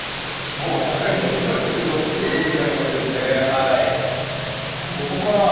もうさすがにここまでくると読めちゃいますよね。